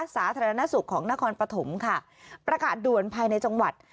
สาธารณสุขของนครปฐมค่ะประกาศด่วนภายในจังหวัด